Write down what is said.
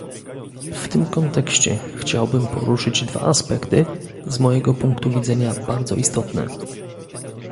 W tym kontekście chciałbym poruszyć dwa aspekty, z mojego punktu widzenia bardzo istotne